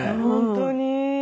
ほんとに。